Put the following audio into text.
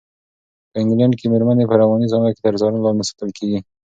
په انګلنډ کې مېرمنې په رواني څانګه کې تر څار لاندې ساتل کېږي.